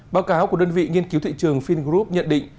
báo cáo của đơn vị nghiên cứu thị trường fingroup nhận định